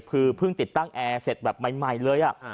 คือเพิ่งติดตั้งแอร์เสร็จแบบใหม่เลย